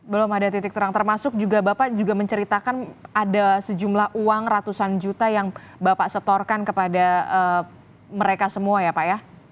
belum ada titik terang termasuk juga bapak juga menceritakan ada sejumlah uang ratusan juta yang bapak setorkan kepada mereka semua ya pak ya